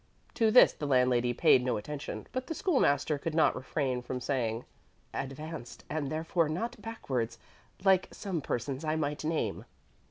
To this the landlady paid no attention; but the School master could not refrain from saying, "Advanced, and therefore not backward, like some persons I might name."